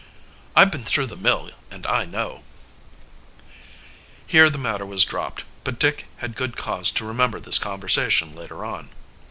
I've been through the mill, and I know." Here the matter was dropped, but Dick had good cause to remember this conversation later on.